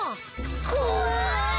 こわい！